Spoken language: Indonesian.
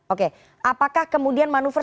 oke apakah kemudian manuver